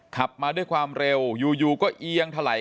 ขับมาด้วยความเร็วอยู่ก็เอียงถลาย